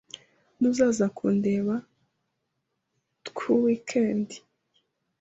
Ntuzaza kundeba tweekend ye?